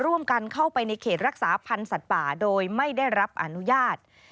ร่วมกันเข้าไปในเขตรักษาพันธ์สัตว์ป่าโดยไม่ได้รับอนุญาต